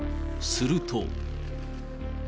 すると。